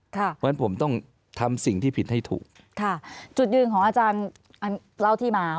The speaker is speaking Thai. เพราะฉะนั้นผมต้องทำสิ่งที่ผิดให้ถูกค่ะจุดยืนของอาจารย์เล่าที่มา